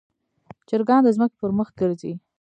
چرګان د ځمکې پر مخ ګرځي.